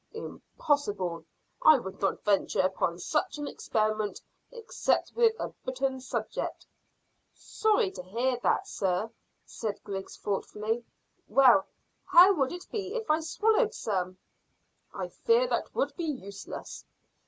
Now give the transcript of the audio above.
"Impossible! I would not venture upon such an experiment except with a bitten subject." "Sorry to hear that, sir," said Griggs thoughtfully. "Well, how would it be if I swallowed some?" "I fear that it would be useless."